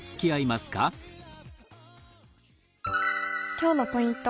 今日のポイント。